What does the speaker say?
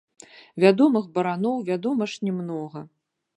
Вядомых бараноў, вядома ж, не многа.